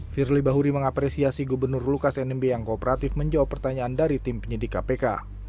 firly bahuri mengapresiasi gubernur lukas nmb yang kooperatif menjawab pertanyaan dari tim penyidik kpk